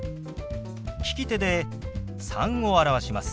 利き手で「３」を表します。